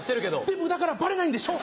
デブだからバレないんでしょ。